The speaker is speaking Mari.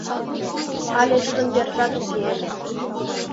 Але тудын вержат уке ыле.